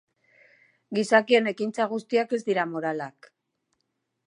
Gizakien ekintza guztiak ez dira moralak.